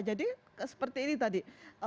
jadi seperti ini tadi